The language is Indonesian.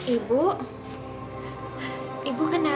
ibu ibu kenapa